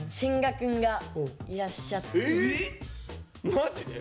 マジで？